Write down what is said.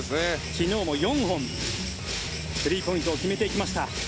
昨日も４本スリーポイントを決めていました。